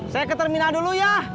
saya ke terminal dulu ya